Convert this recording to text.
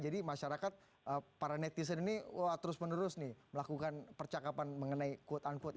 jadi masyarakat para netizen ini terus menerus nih melakukan percakapan mengenai quote unquote